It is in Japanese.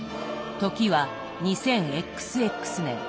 時は２０ＸＸ年。